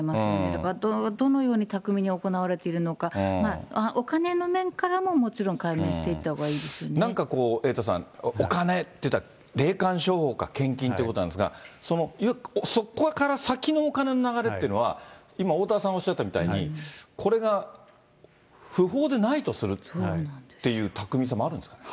だからどのように巧みに行われているのか、お金の面からももちろん解明していったほうがいいですなんかこう、エイトさん、お金っていったら、霊感商法か献金かってことなんですが、そこから先のお金の流れというのは、今おおたわさんおっしゃったみたいに、これが不法でないとするっていう巧みさもあるんですか。